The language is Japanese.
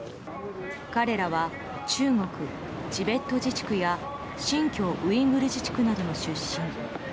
彼らは中国チベット自治区や新疆ウイグル自治区などの出身。